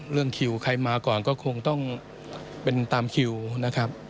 เรื่องคิวใครมาก่อนก็คงต้องเป็นตามคิวนะครับ